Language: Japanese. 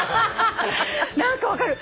何か分かる。